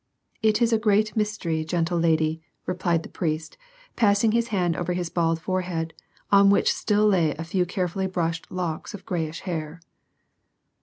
" It is a great mystery, gentle lady," replied the priest, pass ing his hand over his bald forehead, on which still lay a few carefully brushed locks of grayish hair.